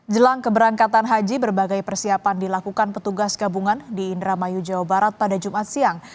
jelang keberangkatan haji berbagai persiapan dilakukan petugas gabungan di indramayu jawa barat pada jumat siang